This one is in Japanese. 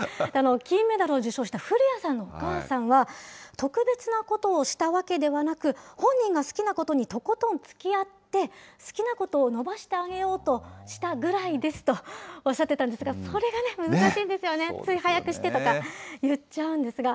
金メダルを受賞した古屋さんのお母さんは、特別なことをしたわけではなく、本人が好きなことにとことんつきあって、好きなことを伸ばしてあげようとしたぐらいですとおっしゃってたんですが、それがね、難しいんですよね、つい早くしてとか言っちゃうんですが。